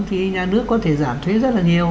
thì nhà nước có thể giảm thuế rất là nhiều